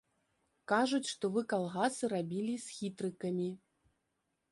Кажуць, што вы калгасы рабілі з хітрыкамі.